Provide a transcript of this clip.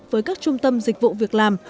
với các trung tâm dịch vụ việc làm